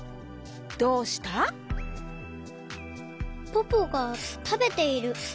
ポポがたべている。